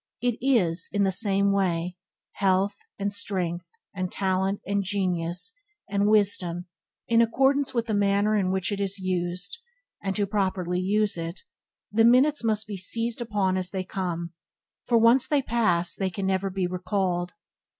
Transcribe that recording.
It is, in the same way, health, and strength, and talent, and genius, and wisdom, in accordance with the manner in which it is used; and to properly use it, the minutes must be seized upon as they come, for once they are past they can never be recalled.